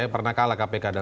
pernah kalah kpk